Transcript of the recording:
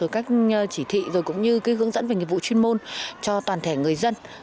các chỉ thị cũng như hướng dẫn về nhiệm vụ chuyên môn cho toàn thể người dân